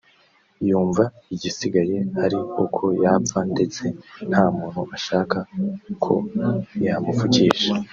yumva igisigaye ari uko yapfa ndetse nta muntu ashaka ko yamuvugisha